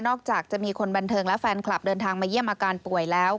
จากจะมีคนบันเทิงและแฟนคลับเดินทางมาเยี่ยมอาการป่วยแล้ว